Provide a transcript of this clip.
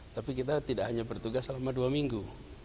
tapi kita tidak hanya bertugas selama dua minggu